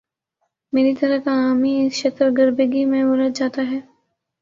میری طرح کا عامی اس شتر گربگی میں الجھ جاتا ہے۔